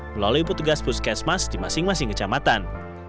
melalui petugas puskesmas di masing masing kecamatan